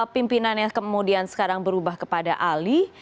pimpinannya kemudian sekarang berubah kepada ali